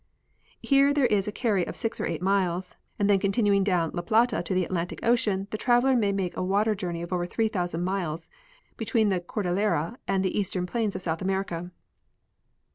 Here there is a carry of six or eight miles, and then continuing down la Plata to the Atlantic ocean, the traveller may make a water journey of over 3,000 miles between the Cordillera and the eastern plains of South America.